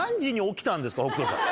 北斗さん。